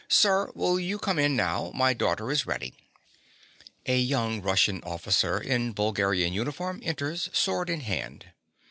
_) Sir, will you come in now! My daughter is ready. (_A young Russian officer, in Bulgarian uniform, enters, sword in hand.